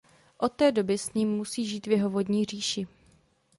Od té doby s ním musí žít v jeho vodní říši.